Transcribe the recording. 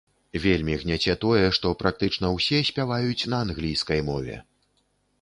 Вельмі гняце тое, што практычна ўсе спяваюць на англійскай мове.